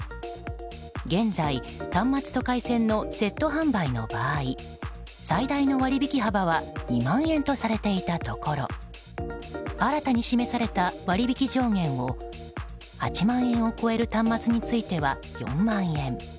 現在、端末と回線のセット販売の場合最大の割引幅は２万円とされていたところ新たに示された割引き上限を８万円を超える端末については４万円。